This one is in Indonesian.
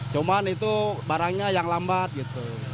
cuman itu barangnya yang lambat gitu